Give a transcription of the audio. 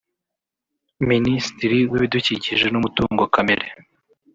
Minisitiri w’ibidukikije n’umutungo kamere